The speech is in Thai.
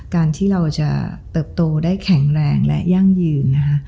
การที่เราจะเติบโตได้แข็งแรงและยั่งยืนนะคะ